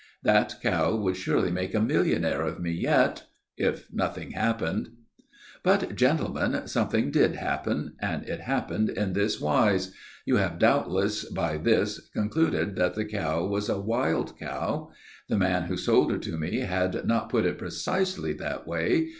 That cow would surely make a millionnaire of me yet if nothing happened. "But, gentleman, something did happen, and it happened in this wise: You have doubtless, by this, concluded that the cow was a wild cow. The man who sold her to me had not put it precisely that way.